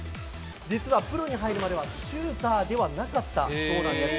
実は、プロに入るまではシューターではなかったそうなんです。